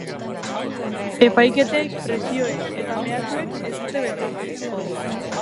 Epaiketek, presioek eta mehatxuek ez dute beldurtu.